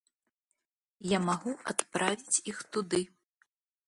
Я магу адправіць іх туды.